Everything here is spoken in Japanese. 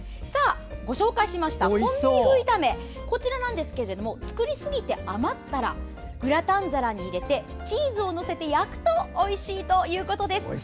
ご紹介したコンビーフ炒めは作りすぎて余ったらグラタン皿に入れてチーズを載せて焼くとおいしいということです。